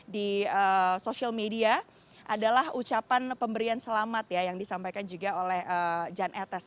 di social media adalah ucapan pemberian selamat ya yang disampaikan juga oleh jan etes